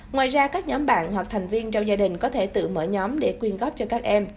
ngoài ra các nhóm bạn hoặc thành viên trong gia đình có thể tự mở nhóm để quyên góp cho các em